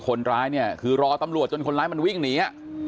คนร้ายเนี่ยคือรอตำรวจจนคนร้ายมันวิ่งหนี